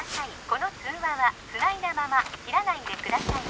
この通話はつないだまま切らないでください